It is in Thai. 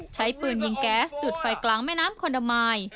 ใช้ปืนยิงแก๊สจุดไฟกลางแม่น้ำคนละมาย